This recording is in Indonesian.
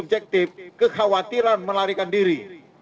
objektif kekhawatiran melarikan diri